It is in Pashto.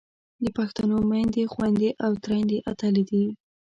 د پښتنو میندې، خویندې او تریندې اتلې دي.